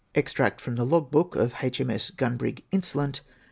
Extract from the Log book of H. M.S. Gun brig Insolent.